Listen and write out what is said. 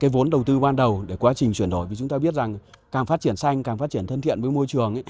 cái vốn đầu tư ban đầu để quá trình chuyển đổi vì chúng ta biết rằng càng phát triển xanh càng phát triển thân thiện với môi trường